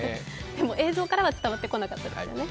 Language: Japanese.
でも映像からは伝わってこなかったですね。